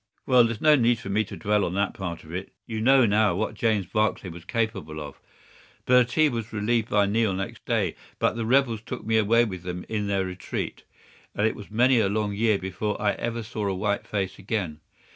"Well, there's no need for me to dwell on that part of it. You know now what James Barclay was capable of. Bhurtee was relieved by Neill next day, but the rebels took me away with them in their retreat, and it was many a long year before ever I saw a white face again.